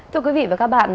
thưa quý vị và các bạn